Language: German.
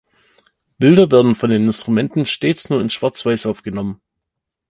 Bilder werden von den Instrumenten stets nur in schwarz-weiß aufgenommen.